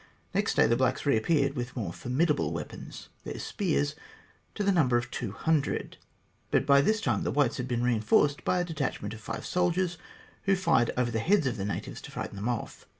Next day the blacks reappeared with more formidable weapons their spears to the number of two hundred, but by this time the whites had been reinforced by a detachment of five soldiers, who fired over the heads of the natives to frighten them off.